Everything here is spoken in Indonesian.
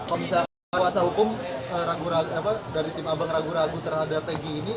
abang kalau misalnya kawasan hukum dari tim abang ragu ragu terhadap pg ini